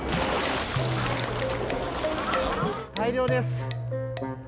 大漁です。